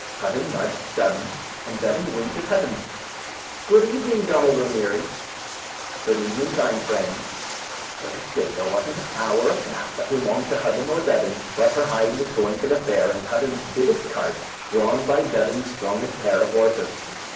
Hudden nudged Dudden, and Dudden winked at Hudden. "Good evening, Donald O'Neary." "Good evening, kind friends." The next day there wasn't a cow or a calf that belonged to Hudden or Dudden but her hide was going to the fair in Hudden's biggest cart drawn by Dudden's strongest pair of horses.